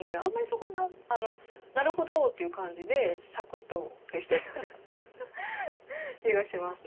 そこはなるほどっていう感じでサクッと消したような気がします。